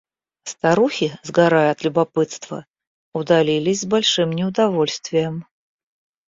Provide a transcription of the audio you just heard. Старухи, сгорая от любопытства, удалились с большим неудовольствием.